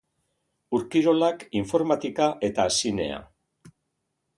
Ur-kirolak, informatika eta zinea.